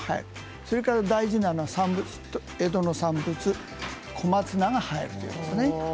それから大事なのは江戸の産物小松菜が入るということですね。